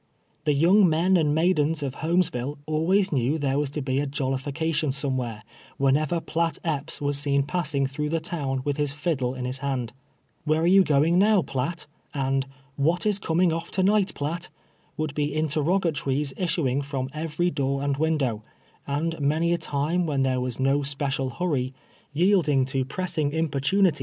The young men and maidens of Ilolmes ville always knew tliei e was to be a jollification some wliere, whenever Blatt K|)ps was seen passing through the town Avith his fiddle in his hand. '* AVTiere are you going now, Blatt V and " What is coming off to night, Blatt ?" Would be interrogatories issuing from every door and window, and many a time when there was no special hurry, yielding to pressing importuni TIIE YIOLIN.